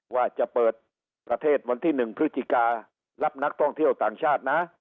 ว่าจะเปิดประเทศวันที่หนึ่งพฤติกา